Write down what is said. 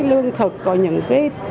lương thực những cái